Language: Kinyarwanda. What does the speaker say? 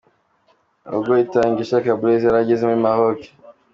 Ubwo Itangishaka Blaise yari ageze muri Maroc .